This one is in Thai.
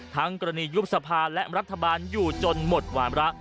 กรณียุบสภาและรัฐบาลอยู่จนหมดวามระ